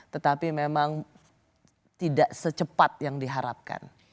tetapi memang tidak secepat yang diharapkan